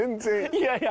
いやいや。